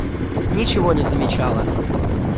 Ничего не замечала.